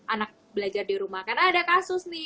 anak belajar di rumah karena ada kasus nih